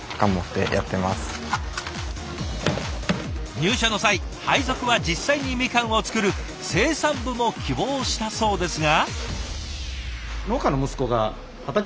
入社の際配属は実際にみかんを作る生産部も希望したそうですが。